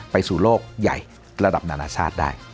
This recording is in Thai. ไปสู่โลกใหญ่ระดับนานาชาติได้